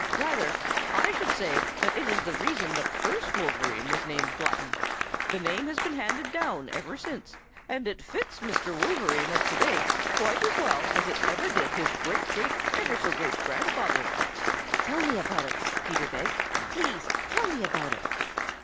Rather I should say that is the reason the first Wolverine was named Glutton. The name has been handed down ever since, and it fits Mr. Wolverine of today quite as well as ever it did his great great ever so great grandfather." "Tell me about it," Peter begged. "Please tell me about it."